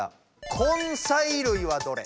「根菜類はどれ？」。